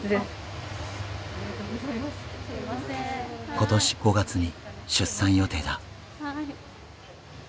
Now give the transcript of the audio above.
今年５月に出産予定だ。